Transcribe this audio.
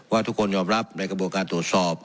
ว่าทุกคนยอมรับในกระบวนการตรวจสอบ